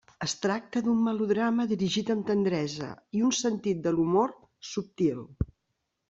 Es tracta d'un melodrama dirigit amb tendresa i un sentit de l’humor subtil.